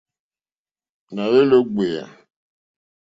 Nà hwélì ó ɡbèyà.